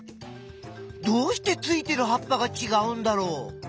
どうしてついてる葉っぱがちがうんだろう？